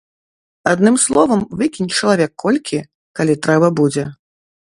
Адным словам, выкінь чалавек колькі, калі трэба будзе.